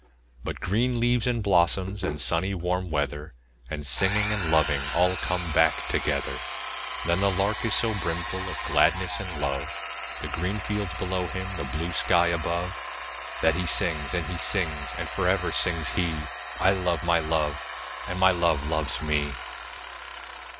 But green leaves, and blossoms, and sunny warm weather, 5 And singing, and loving all come back together. But the Lark is so brimful of gladness and love, The green fields below him, the blue sky above, That he sings, and he sings; and for ever sings he 'I love my Love, and my Love loves me!'